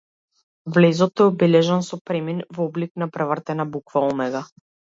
Влезот е обележан со премин во облик на превртена буква омега.